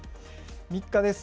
３日です。